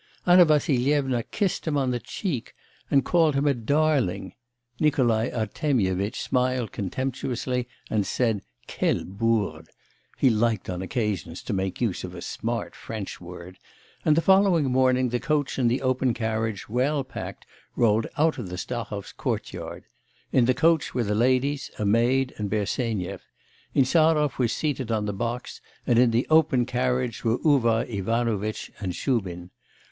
Anna Vassilyevna kissed him on the cheek, and called him a darling; Nikolai Artemyevitch smiled contemptuously and said: quelle bourde! (he liked on occasions to make use of a 'smart' French word); and the following morning the coach and the open carriage, well packed, rolled out of the Stahovs' court yard. In the coach were the ladies, a maid, and Bersenyev; Insarov was seated on the box; and in the open carriage were Uvar Ivanovitch and Shubin.